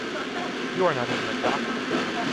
You are not even a doctor!